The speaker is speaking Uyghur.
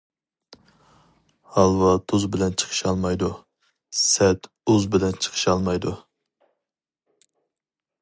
ھالۋا تۇز بىلەن چىقىشالمايدۇ، سەت ئۇز بىلەن چىقىشالمايدۇ.